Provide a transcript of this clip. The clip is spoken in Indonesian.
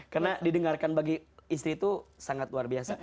karena didengarkan bagi istri itu sangat luar biasa